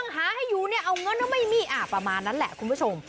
หาให้อยู่เนี่ยเอาเงินไม่มีประมาณนั้นแหละคุณผู้ชม